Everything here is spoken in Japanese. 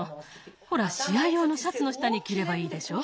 ほらしあいようのシャツの下にきればいいでしょ？